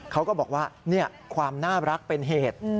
เขาก็บอกว่าความน่ารักเป็นเหตุ